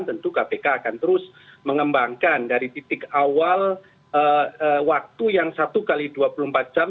tentu kpk akan terus mengembangkan dari titik awal waktu yang satu x dua puluh empat jam